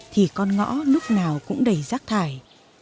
thì con ngõ lúc nào cũng đầy rác thải